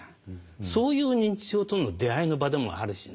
そういう認知症との出会いの場でもあるしね